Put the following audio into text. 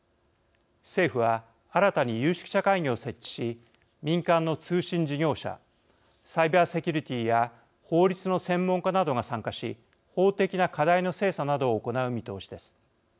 政府は新たに有識者会議を設置し民間の通信事業者サイバーセキュリティーや法律の専門家などが参加し法的な課題の精査などを行う見通しです。